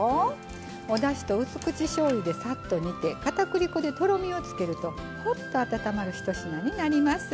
おだしと、うす口しょうゆでさっと煮て片栗粉で、とろみをつけるとほっと温まるひと品になります。